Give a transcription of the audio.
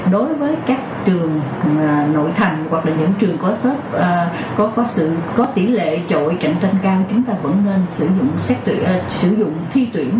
đối với các trường nội thành hoặc là những trường có tỷ lệ trội cạnh tranh cao chúng ta vẫn nên sử dụng thi tuyển